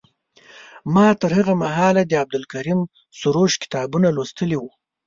ما تر هغه مهاله د عبدالکریم سروش کتابونه لوستي وو.